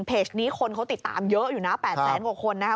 เพจนี้คนเขาติดตามเยอะอยู่นะ๘แสนกว่าคนนะคะ